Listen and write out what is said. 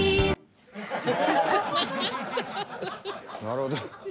なるほど。